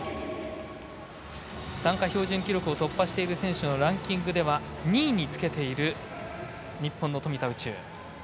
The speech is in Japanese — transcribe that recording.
参加標準記録を突破している選手のランキングでは２位につけている日本の富田宇宙。